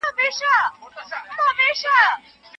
یا د روښانه سباوون کولې